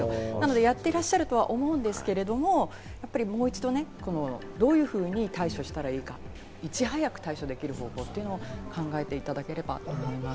なのでやってらっしゃるとは思うんですが、もう一度、どういうふうに対処したらいいか、いち早く対処できる方法というのを考えていただければと思います。